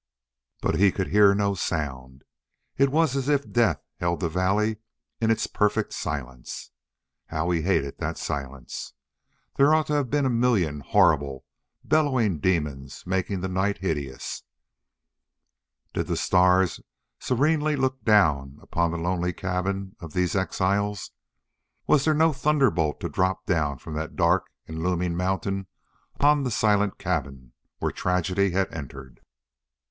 But he could hear no sound. It was as if death held the valley in its perfect silence. How he hated that silence! There ought to have been a million horrible, bellowing demons making the night hideous. Did the stars serenely look down upon the lonely cabins of these exiles? Was there no thunderbolt to drop down from that dark and looming mountain upon the silent cabin where tragedy had entered?